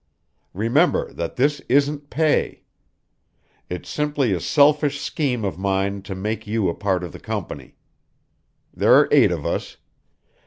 Remember that this isn't pay. It's simply a selfish scheme of mine to make you a part of the company. There are eight of us.